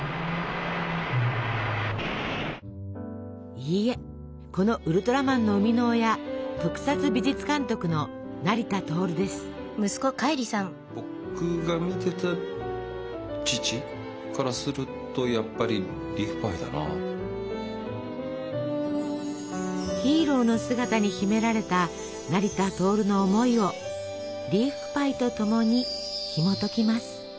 いいえこのウルトラマンの生みの親特撮美術監督の僕が見てた父からするとヒーローの姿に秘められた成田亨の思いをリーフパイとともにひもときます。